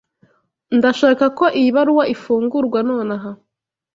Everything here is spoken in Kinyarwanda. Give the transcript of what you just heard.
Ndashaka ko iyi baruwa ifungurwa nonaha.